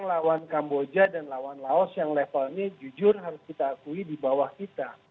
lawan kamboja dan lawan laos yang levelnya jujur harus kita akui di bawah kita